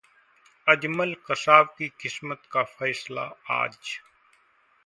अजमल कसाब की किस्मत का फैसला आज